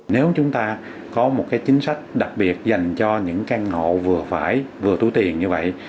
nếu chúng ta có một chính sách đặc biệt dành cho những căn hộ vừa phải vừa túi tiền như vậy